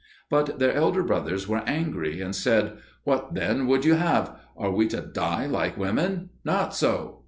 But their elder brothers were angry and said, "What then would you have? Are we to die like women? Not so!"